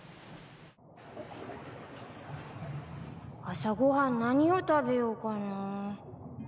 朝ご飯何を食べようかな？